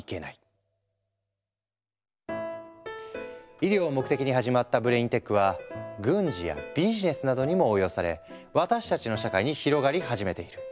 医療を目的に始まったブレインテックは軍事やビジネスなどにも応用され私たちの社会に広がり始めている。